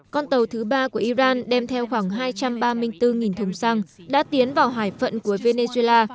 con tàu thứ ba của iran đem theo khoảng hai trăm ba mươi bốn thùng xăng đã tiến vào hải phận của venezuela